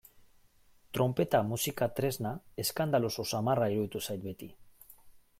Tronpeta musika tresna eskandaloso samarra iruditu izan zait beti.